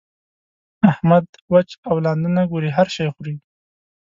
احمد؛ وچ او لانده نه ګوري؛ هر شی خوري.